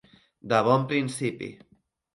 De bon principi.